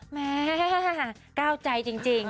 แม่ก้าวใจจริง